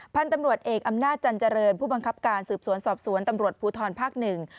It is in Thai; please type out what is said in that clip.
พันธุ์ตำรวจเอกอำนาจจันเจริญผู้บังคับการสืบสวนสอบสวนตำรวจภูทรภาคหนึ่ง